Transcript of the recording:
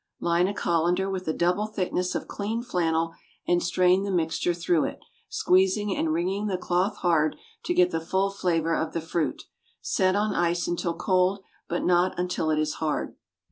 Line a colander with a double thickness of clean flannel, and strain the mixture through it, squeezing and wringing the cloth hard, to get the full flavor of the fruit. Set on ice until cold, but not until it is hard.